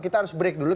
kita harus break dulu